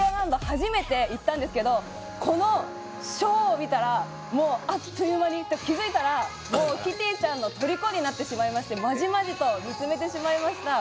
初めて行ったんですけどこのショーを見たら、もうあっという間に、気づいたら、もうキティちゃんのとりこになってしまいまして、まじまじと見つめてしまいました。